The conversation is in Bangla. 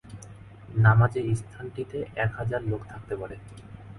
নামাজের স্থানটিতে এক হাজার লোক থাকতে পারে।